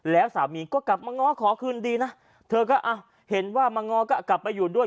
แล้วสามีก็กลับมาง้อขอคืนดีนะเธอก็เห็นว่ามาง้อก็กลับไปอยู่ด้วย